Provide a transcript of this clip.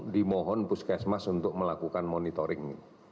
dimohon puskesmas untuk melakukan monitoring